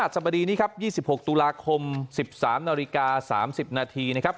สมดีนี้ครับ๒๖ตุลาคม๑๓นาฬิกา๓๐นาทีนะครับ